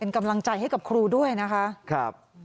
เป็นกำลังใจให้กับครูด้วยนะคะ